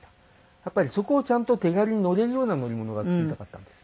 やっぱりそこをちゃんと手軽に乗れるような乗り物が作りたかったんです。